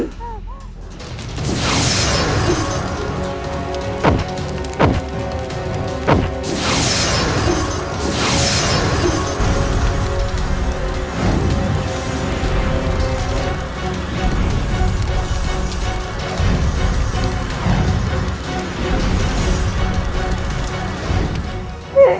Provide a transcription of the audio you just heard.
tidak jangan lagi